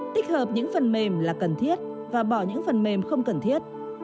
tích hợp những phần mềm là cần thiết và bỏ những phần mềm không cần thiết